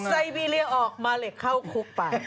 ไซบีเรียออกมาเหล็กเข้าคุกไป